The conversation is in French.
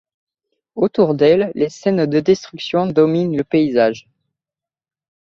Autour d'elle, les scènes de destruction dominent le paysage.